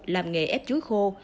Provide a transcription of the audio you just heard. làm nghề ép chuối khô